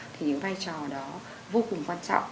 thì những vai trò đó vô cùng quan trọng